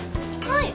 はい。